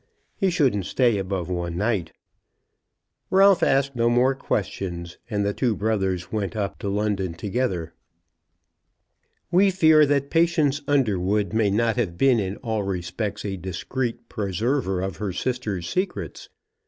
He shouldn't stay above one night. Ralph asked no more questions, and the two brothers went up to London together. We fear that Patience Underwood may not have been in all respects a discreet preserver of her sister's secrets.